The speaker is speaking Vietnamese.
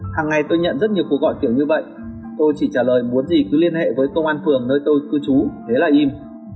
hằng ngày tôi nhận rất nhiều cuộc gọi kiểu như vậy tôi chỉ trả lời muốn gì cứ liên hệ với công an phường nơi tôi cư trú thế là in